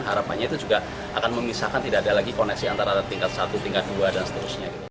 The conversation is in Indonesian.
harapannya itu juga akan memisahkan tidak ada lagi koneksi antara tingkat satu tingkat dua dan seterusnya gitu